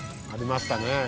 ありましたね。